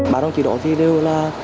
bà đồng chí đồng thì đều là